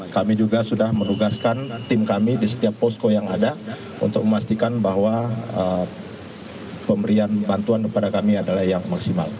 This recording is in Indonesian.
kami juga sudah menugaskan tim kami di setiap posko yang ada untuk memastikan bahwa pemberian bantuan kepada kami adalah yang maksimal